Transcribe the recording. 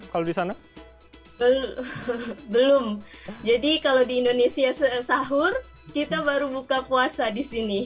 belum jadi kalau di indonesia sahur kita baru buka puasa di sini